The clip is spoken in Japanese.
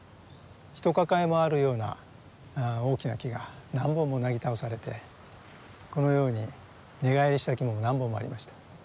ひと抱えもあるような大きな木が何本もなぎ倒されてこのように根返りした木も何本もありました。